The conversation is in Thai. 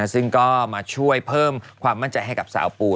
ซึ่งก็มาช่วยเพิ่มความมั่นใจให้กับสาวปู